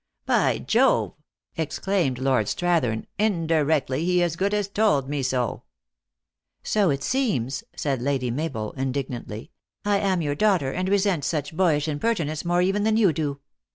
" By Jove !" exclaimed Lord Strathern, " indirectly, he as good as told me so." " So it seems," said Lady Mabel indignantly. "I am your daughter, and resent such boyish imperti nence more even than you do.